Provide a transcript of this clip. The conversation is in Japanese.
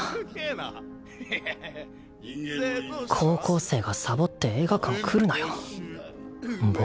高校生がサボって映画館来るなよ。